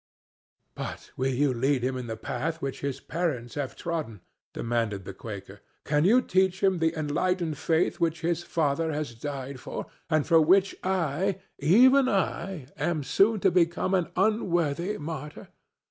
"But will ye lead him in the path which his parents have trodden?" demanded the Quaker. "Can ye teach him the enlightened faith which his father has died for, and for which I—even I—am soon to become an unworthy martyr?